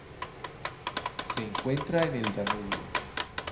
Se encuentra en el Danubio.